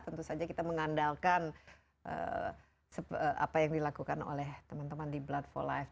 tentu saja kita mengandalkan apa yang dilakukan oleh teman teman di blood for life